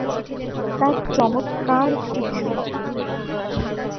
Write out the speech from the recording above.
তাঁর চমৎকার একটি বিয়ে হবে।